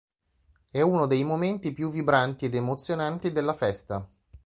È uno dei momenti più vibranti ed emozionanti della festa.